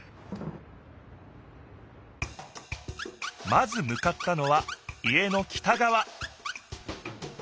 まずむかったのは家の北がわ